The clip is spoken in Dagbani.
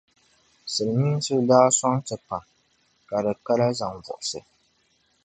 Siliminsi daa sɔŋ ti pam ka di ka la zaŋ' buɣisi.